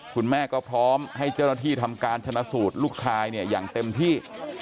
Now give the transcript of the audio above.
คุณแม่ก็พร้อมให้เจ้าหน้าที่ทำการชนะสูตรลูกชายเนี่ยอย่างเต็มที่